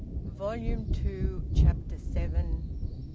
VOLUME TWO, CHAPTER SEVEN.